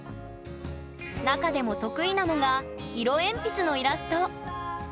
なかでも得意なのが色鉛筆のイラスト。